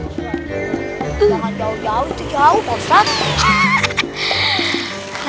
jangan jauh jauh itu jauh pak ustaz